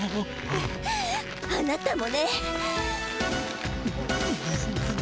あなたもね。